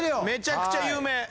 めちゃくちゃ有名。